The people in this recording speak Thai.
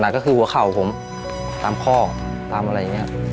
หนักก็คือหัวข่าวของผมตามข้อตามอะไรอย่างนี้